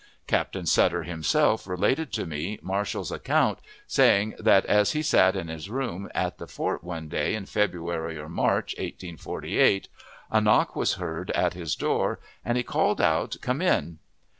Captain Sutter himself related to me Marshall's account, saying that, as he sat in his room at the fort one day in February or March, 1848, a knock was heard at his door, and he called out, "Come in."